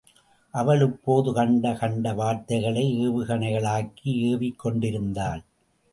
அவள், இப்போது கண்ட கண்ட வார்த்தைகளை ஏவுகணைகளாக்கி ஏவிக் கொண்டிருந்தாள்.